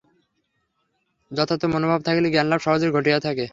যথার্থ মনোভাব থাকিলে জ্ঞানলাভ সহজেই ঘটিয়া থাকে।